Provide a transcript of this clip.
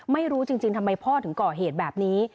ไม่รู้จริงทำไมพ่อถึงก่อเหตุแบบนี้